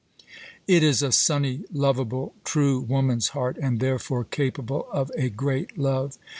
It is a sunny, lovable, true woman's heart, and therefore capable of a great love.